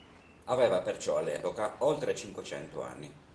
Aveva perciò all'epoca oltre cinquecento anni.